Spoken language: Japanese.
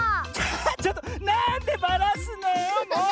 ちょっとなんでばらすのよもう！